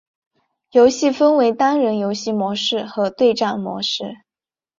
游戏分为单人游戏模式和对战模式。